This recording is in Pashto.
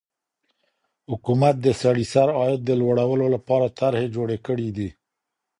حکومت د سړي سر عاید د لوړولو لپاره طرحې جوړي کړې دي.